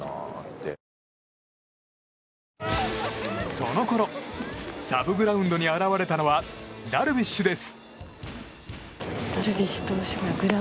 そのころサブグラウンドに現れたのはダルビッシュです。